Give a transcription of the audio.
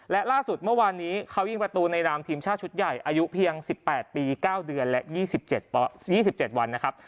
และล่าสุดเมื่อวานนี้เขายิงประตูในนามทีมชาติชุดใหญ่อายุเพียงสิบแปดปีเก้าเดือนและยี่สิบเจ็ดวันนะครับ